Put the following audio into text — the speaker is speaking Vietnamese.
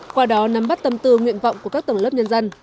qua đó nắm bắt tâm tư nguyện vọng của các tầng lớp nhân dân